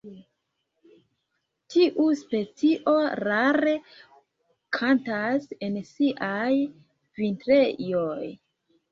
Tiu specio rare kantas en siaj vintrejoj.